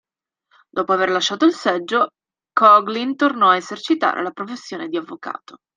Dopo aver lasciato il seggio, Coughlin tornò ad esercitare la professione di avvocato.